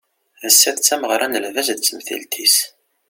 Ass-a d tameɣra n lbaz d temtilt-is.